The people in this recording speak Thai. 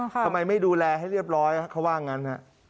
ทำไมไม่ดูแลให้เรียบร้อยเขาว่างั้น